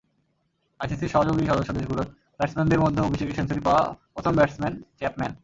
আইসিসির সহযোগী সদস্যদেশগুলোর ব্যাটসম্যানদের মধ্যে অভিষেকে সেঞ্চুরি পাওয়া প্রথম ব্যাটসম্যান চ্যাপম্যান।